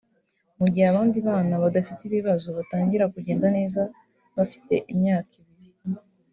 Mu gihe abandi bana badafite ibibazo batangira kugenda neza bafite imyaka ibiri